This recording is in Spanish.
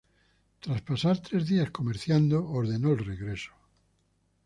Tras pasar tres días comerciando, ordenó el regreso.